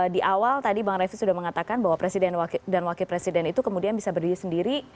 di awal tadi bang refli sudah mengatakan bahwa presiden dan wakil presiden itu kemudian bisa berdiri sendiri